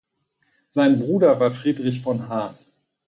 Sein Bruder war Friedrich von Hahn.